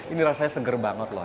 ini rasanya seger banget loh